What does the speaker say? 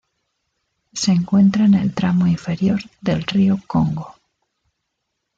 Se encuentra en el tramo inferior del río Congo.